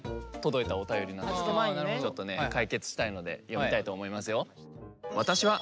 ちょっとね解決したいので読みたいと思いますよ。